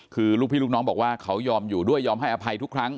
คือลูกพี่ลูกน้องบอกว่าเขายอมอยู่ด้วยยอมให้อภัยทุกครั้ง